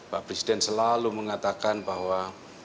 pak presiden selalu mengatakan bahwa